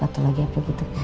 atau lagi apa gitu